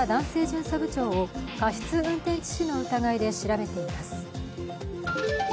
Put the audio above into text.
巡査部長を過失運転致死の疑いで調べています。